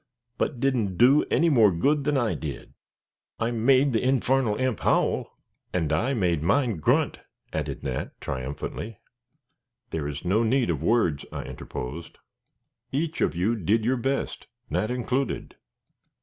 "But didn't do any more good than I did." "I made the infarnal imp howl." "And I made mine grunt," added Nat, triumphantly. "There is no need of words," I interposed. "Each of you did your best, Nat included.